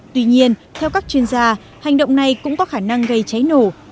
tuy nhiên theo các chuyên gia hành động này cũng có khả năng gây cháy nổ